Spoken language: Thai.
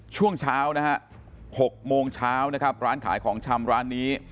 ช่วงเช้านะฮะ๖โมงเช้านะครับร้านขายของชำร้านนี้